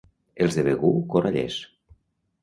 Els de Begur, corallers.